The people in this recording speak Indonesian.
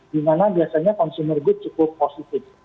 dimana biasanya consumer good cukup positif